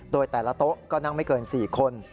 โดยแต่ละโต๊ะก็นั่งไม่เกิน๔คน